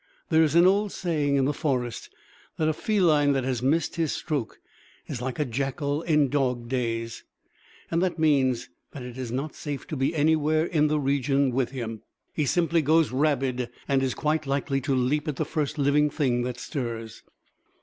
There is an old saying in the forest that a feline that has missed his stroke is like a jackal in dog days and that means that it is not safe to be anywhere in the region with him. He simply goes rabid and is quite likely to leap at the first living thing that stirs.